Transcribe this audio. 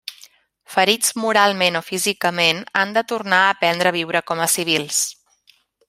Ferits moralment o físicament, han de tornar a aprendre a viure com a civils.